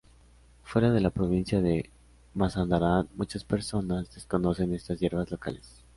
Fuera de la provincia de Mazandarán, muchas personas desconocen estas hierbas locales.